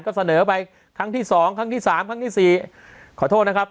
ก็เสนอไปครั้งที่สองครั้งที่สามครั้งที่สี่ขอโทษนะครับ